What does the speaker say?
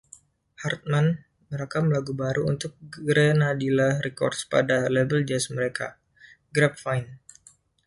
Hartman merekam lagu baru untuk Grenadilla Records pada label jazz mereka, Grapevine.